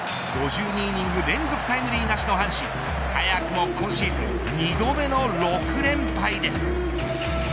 ５２イニング連続タイムリーなしの阪神早くも今シーズン２度目の６連敗です。